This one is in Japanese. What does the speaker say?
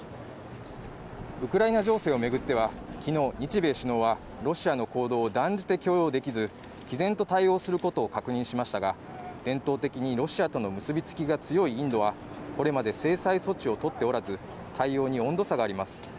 ウクライナ情勢を巡っては昨日、日米首脳はロシアの行動を断じて許容できず、きぜんと対応することを確認しましたが、伝統的にロシアとの結びつきが強いインドは、これまで制裁措置をとっておらず対応に温度差があります。